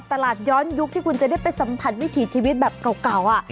ตลาดย้อนยุคที่คุณจะได้ไปสัมผัสวิถีชีวิตแบบเก่า